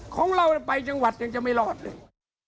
ของเราไปจังหวัดยังจะไม่รอดเลย